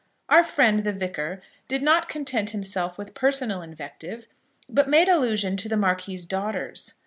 Our friend, the Vicar, did not content himself with personal invective, but made allusion to the Marquis's daughters.